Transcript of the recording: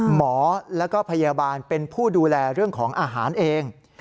หมอแล้วก็พยาบาลเป็นผู้ดูแลเรื่องของอาหารเอง